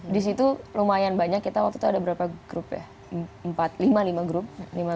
di situ lumayan banyak kita waktu itu ada berapa grup ya